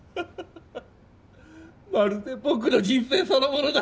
まるで僕の人生そのものだ。